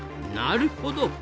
なるほど！